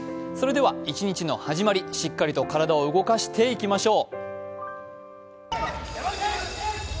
それでは一日の始まり、しっかりと体を動かしていきましょう。